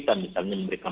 dan misalnya memberikan